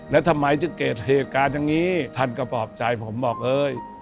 แล้วทำไมจะเกิดเหตุการณ์อย่างนี้ท่านก็ปลอบใจผมบอกเอ้ย